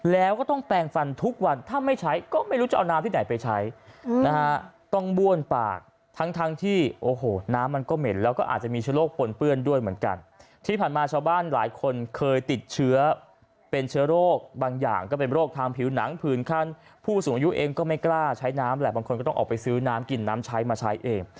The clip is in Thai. แล้วก็ต้องแปลงฟันทุกวันถ้าไม่ใช้ก็ไม่รู้จะเอาน้ำที่ไหนไปใช้นะฮะต้องบ้วนปากทั้งทั้งที่โอ้โหน้ำมันก็เหม็นแล้วก็อาจจะมีเชื้อโรคปนเปื้อนด้วยเหมือนกันที่ผ่านมาชาวบ้านหลายคนเคยติดเชื้อเป็นเชื้อโรคบางอย่างก็เป็นโรคทางผิวหนังผืนขั้นผู้สูงอายุเองก็ไม่กล้าใช้น้ำแหละบางคนก็ต้องออกไปซื้อน้ำกินน้ำใช้มาใช้เอง